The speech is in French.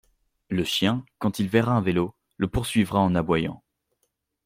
Le chien, quand il verra un vélo, le poursuivra en aboyant.